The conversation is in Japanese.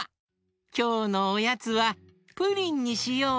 きょうのおやつはプリンにしようかなあ！